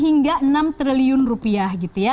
hingga enam triliun rupiah gitu ya